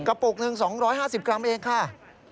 ปุกหนึ่ง๒๕๐กรัมเองค่ะ